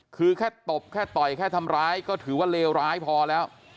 คือแค่ตบแค่ต่อยแค่ทำร้ายก็ถือว่าเลวร้ายพอแล้ว